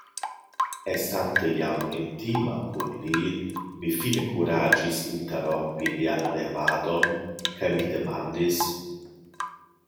Estante jam intima kun li, mi fine kuraĝis interrompi lian revadon kaj mi demandis: